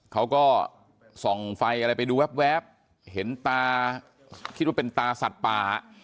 เขาก็ส่องไฟอะไรไปดูแวบเห็นตาคิดว่าเป็นตาสัตว์ป่า